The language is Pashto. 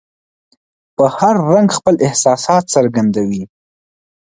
په هر رنګ خپل احساسات څرګندوي.